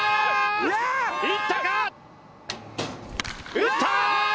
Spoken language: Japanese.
打った！